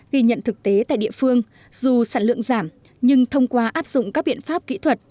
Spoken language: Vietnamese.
ghi nhận thực tế tại địa phương dù sản lượng giảm nhưng thông qua áp dụng các biện pháp kỹ thuật